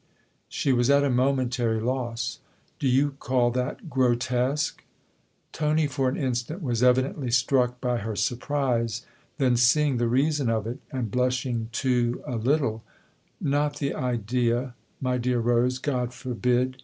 She was at a momentary loss. " Do you call that grotesque ?" Tony, for an instant, was evidently struck by her surprise ; then seeing the reason of it and blushing too a little, " Not the idea, my dear Rose God forbid